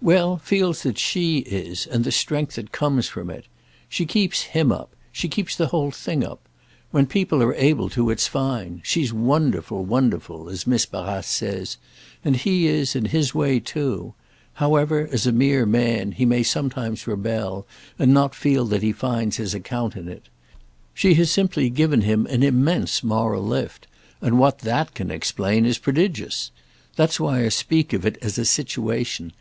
"Well, feels that she is, and the strength that comes from it. She keeps him up—she keeps the whole thing up. When people are able to it's fine. She's wonderful, wonderful, as Miss Barrace says; and he is, in his way, too; however, as a mere man, he may sometimes rebel and not feel that he finds his account in it. She has simply given him an immense moral lift, and what that can explain is prodigious. That's why I speak of it as a situation.